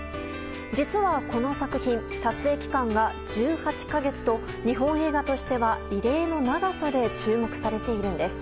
実はこの作品撮影期間が１８か月と日本映画としては異例の長さで注目されているんです。